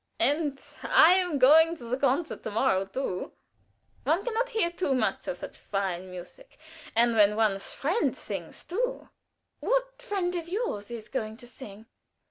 And I am going to the concert to morrow, too. One can not hear too much of such fine music; and when one's friend sings, too " "What friend of yours is going to sing?"